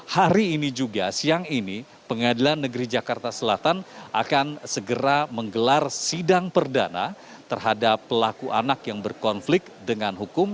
hari ini juga siang ini pengadilan negeri jakarta selatan akan segera menggelar sidang perdana terhadap pelaku anak yang berkonflik dengan hukum